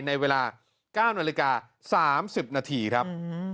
ในเวลา๙นาฬิกา๓๐นาทีครับ